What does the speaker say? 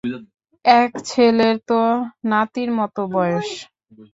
এক ছেলের তো নাতির মতো বয়স।